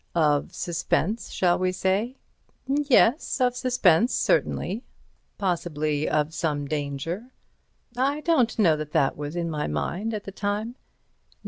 "Of suspense, shall we say?" "Yes—of suspense, certainly." "Possibly of some danger?" "I don't know that that was in my mind at the time."